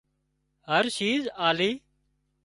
هر شيز آلي